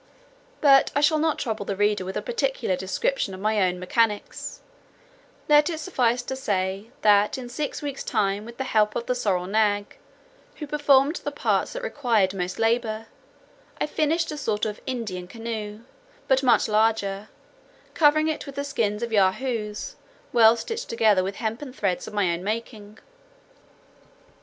But I shall not trouble the reader with a particular description of my own mechanics; let it suffice to say, that in six weeks time with the help of the sorrel nag, who performed the parts that required most labour, I finished a sort of Indian canoe, but much larger, covering it with the skins of Yahoos, well stitched together with hempen threads of my own making.